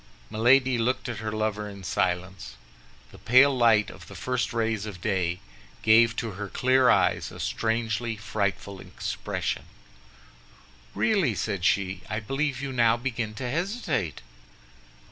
Milady looked at her lover in silence. The pale light of the first rays of day gave to her clear eyes a strangely frightful expression. "Really," said she, "I believe you now begin to hesitate."